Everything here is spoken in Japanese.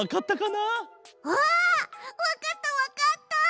あわかったわかった！